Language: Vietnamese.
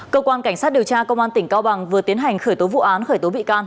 cơ quan cảnh sát điều tra công an tỉnh cao bằng vừa tiến hành khởi tố vụ án khởi tố bị can